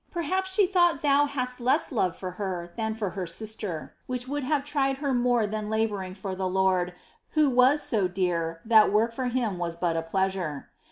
Perhaps she thought Thou hadst less love for her than for her sister, which would have tried her more than labouring for the Lord Who was so dear that work for Him was but a pleasure.